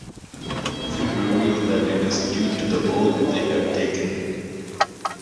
Frigg revealed that it is due to the oath they have taken.